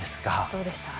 どうでした？